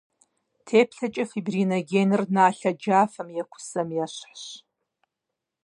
Теплъэкӏэ фибриногеныр налъэ джафэм е кусэм ещхьщ.